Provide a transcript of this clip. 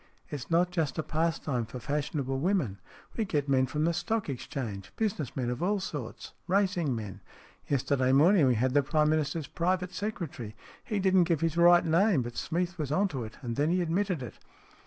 It's not just a pastime for fashionable women. We get men from the Stock Exchange, business men of all sorts, racing men. Yesterday morning we had the Prime Minister's private secretary. He didn't give his right name, but Smeath was on to it, and then he admitted it."